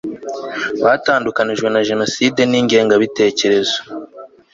batandukanijwe na jenoside n ingengabitekerezo